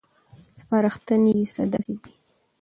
سپارښتنې یې څه داسې دي: